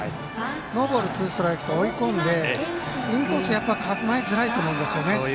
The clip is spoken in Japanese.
ノーボールツーストライクと追い込んでインコース、構えづらいと思うんですよね。